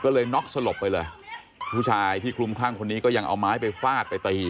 ก็เลยน็อกสลบไปเลยผู้ชายที่คลุมคลั่งคนนี้ก็ยังเอาไม้ไปฟาดไปตี